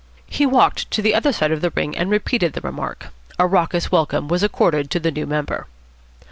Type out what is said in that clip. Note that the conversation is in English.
He walked to the other side of the ring and repeated the remark. A raucous welcome was accorded to the new member.